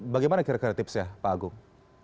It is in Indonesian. bagaimana kira kira tipsnya pak agung